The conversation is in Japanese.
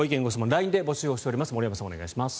ＬＩＮＥで募集しています。